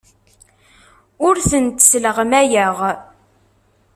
Ur tent-sleɣmayeɣ.